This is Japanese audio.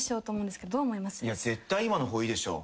絶対今の方がいいでしょ。